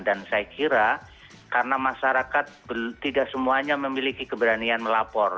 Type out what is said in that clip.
dan saya kira karena masyarakat tidak semuanya memiliki keberanian melapor